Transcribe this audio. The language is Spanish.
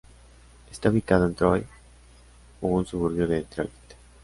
Está ubicado en Troy, un suburbio de Detroit.